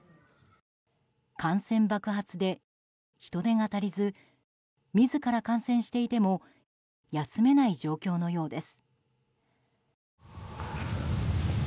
感染爆発で人手が足りず自ら感染していても休めない状況のようです。